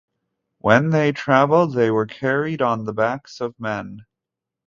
When they travelled, they were carried on the backs of men.